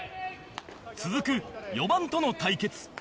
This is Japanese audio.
続く４番との対決